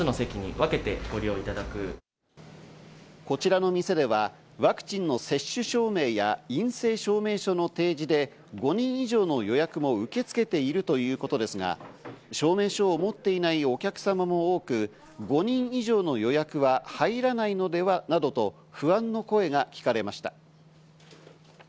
こちらの店ではワクチンの接種証明や陰性証明書の提示で５人以上の予約も受け付けているということですが、証明書を持っていないお客様も多く、５人以上の予約は入らないのではなどと不安の声が聞かれました。